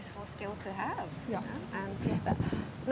saya pikir itu penting